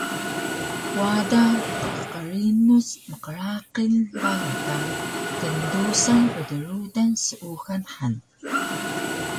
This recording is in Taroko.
Wada tqqrinuc mqraqil balay ka kndusan rdrudan seuxal han